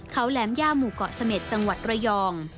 เขาแหลมย่าหมู่เกาะเสม็จจังหวัดระยอง